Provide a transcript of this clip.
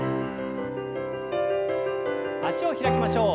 脚を開きましょう。